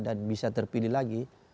dan bisa terpilih lagi